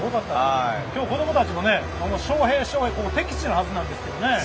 今日子どもたちもショウヘイ、ショウヘイ敵地のはずなんですけど。